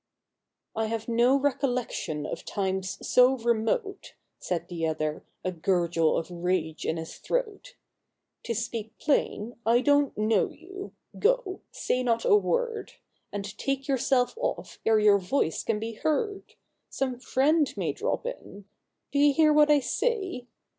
"I have no recollection of times so remote," Said the other, a gurgle of rage in his throat, —" To speak plain, I don't know you ! Go ! say not a word, And take yourself off ere your voice can be heard. Some friend may drop in ! Do you hear what I say?